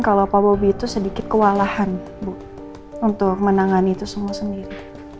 kalau pak bobi itu sedikit kewalahan bu untuk menangani itu semua sendiri